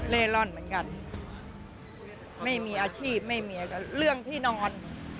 ร่อนเหมือนกันไม่มีอาชีพไม่มีเรื่องที่นอน